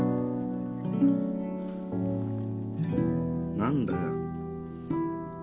何だよ。